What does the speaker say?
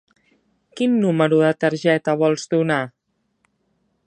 Quin número de targeta vols donar?